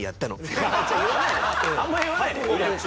あんまり言わないで。